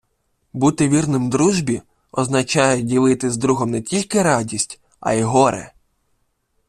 Бути вірним дружбі —означає ділити з другом не тільки радість, а й горе